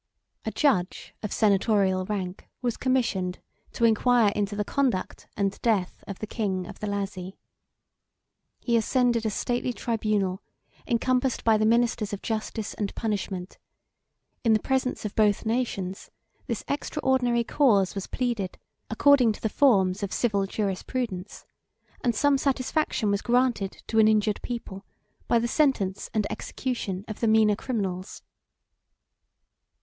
A judge of senatorial rank was commissioned to inquire into the conduct and death of the king of the Lazi. He ascended a stately tribunal, encompassed by the ministers of justice and punishment: in the presence of both nations, this extraordinary cause was pleaded, according to the forms of civil jurisprudence, and some satisfaction was granted to an injured people, by the sentence and execution of the meaner criminals.